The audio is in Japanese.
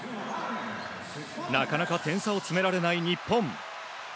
なかなか点差を詰められない日本。